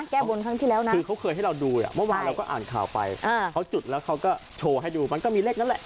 คือเค้าเคยให้เราดูเมื่อวานเราก็อ่านข่าวไปเค้าจุดแล้วเค้าก็โชว์ให้ดูมันก็มีเลขนั้นแหละ